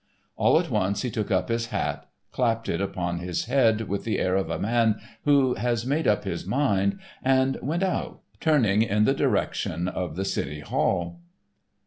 All at once he took up his hat, clapped it upon his head with the air of a man who has made up his mind, and went out, turning in the direction of the City Hall.